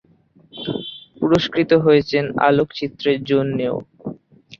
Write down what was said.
পুরস্কৃত হয়েছেন আলোকচিত্রের জন্যেও।